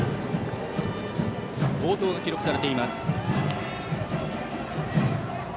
暴投が記録されています。